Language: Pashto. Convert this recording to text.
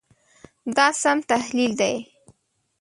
دا سم تحلیل دی.